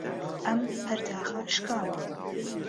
ئەم پەرداخە شکاوە.